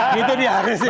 gitu dia harusnya